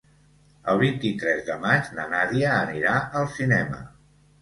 El vint-i-tres de maig na Nàdia anirà al cinema.